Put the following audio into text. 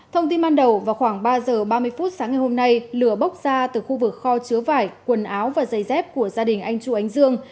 thông tin ban đầu vào khoảng ba giờ ba mươi phút sáng ngày hôm nay lửa bốc ra từ khu vực kho chứa vải quần áo và giày dép của gia đình anh chu ánh dương